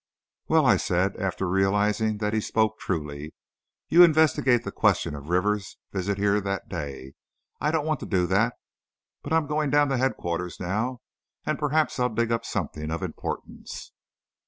"Well," I said, after realizing that he spoke truly, "you investigate the question of Rivers' visit here that day. I don't want to do that. But I'm going down to Headquarters now, and perhaps I'll dig up something of importance."